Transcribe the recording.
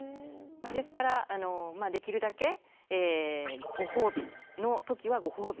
ですからできるだけごほうびの時はごほうび。